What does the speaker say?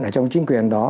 ở trong chính quyền đó